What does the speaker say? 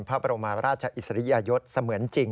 พระบรมราช๑๗๐๐เสมือนจริง